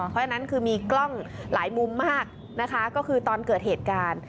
เพราะฉะนั้นคือมีกล้องหลายมุมมากนะคะก็คือตอนเกิดเหตุการณ์